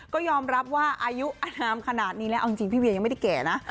ก็ยอมรับว่าอายุอนามขนาดนี้แล้วเอาจริงพี่เวียยังไม่ได้แก่นะ